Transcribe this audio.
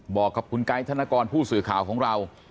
บอกกับคุณไกด์ธนกรผู้สื่อข่าวของเรา